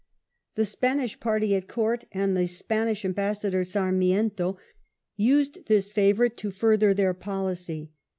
The Spanish party at court, and the Spanish ambassador, Sarmiento, used this favourite to further their policy.